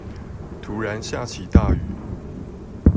突然下起大雨